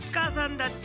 だっち。